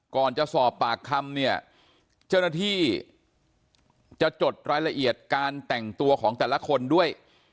ก่อนจะสอบปากคำเนี่ยเจ้าหน้าที่จะจดรายละเอียดการแต่งตัวของแต่ละคนด้วย